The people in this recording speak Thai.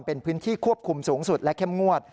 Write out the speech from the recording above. เป็นพื้นที่ควบคุมสูงสุดและเข้มงวด